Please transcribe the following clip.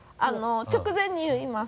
直前に言います。